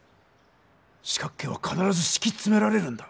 四角形はかならずしきつめられるんだ。